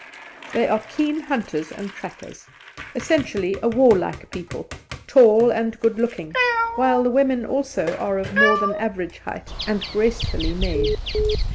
They are keen hunters and trackers, essentially a warlike people, tall and good looking, while the women also are of more than average height, and gracefully made.